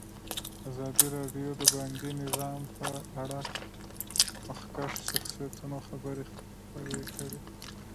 ازادي راډیو د بانکي نظام په اړه د مخکښو شخصیتونو خبرې خپرې کړي.